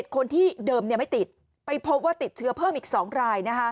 คนที่เดิมไม่ติดไปพบว่าติดเชื้อเพิ่มอีก๒ราย